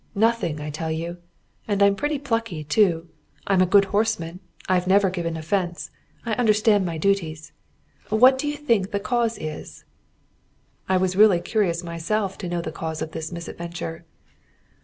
Nothing, I tell you! And I'm pretty plucky too. I'm a good horseman I've never given offence I understand my duties. What do you think the cause is?" I really was curious myself to know the cause of this misadventure.